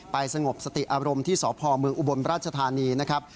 สงบสติอารมณ์ที่สพเมืองอุบลราชธานีนะครับ